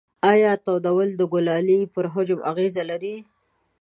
ایا تودول د ګلولې پر حجم اغیزه لري؟